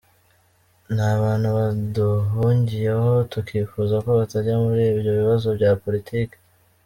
Ni abantu baduhungiyeho, tukifuza ko batajya muri ibyo bibazo bya politiki.